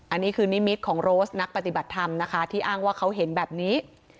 อันนี้คือนิมิตของโรสนักปฏิบัติธรรมนะคะที่อ้างว่าเขาเห็นแบบนี้